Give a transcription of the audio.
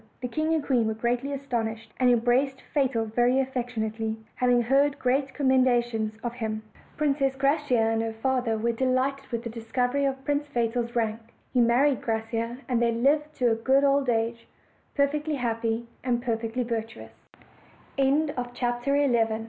The king and queen were greatly as tonished, and embraced Fatal very affectionately, having heard great commendations of him. Princess Graciosa and her father were delighted with the discovery of Prince Fatal's rank. He married Graciosa, and they , lived together to a good old age, perfectly happy ana \ perf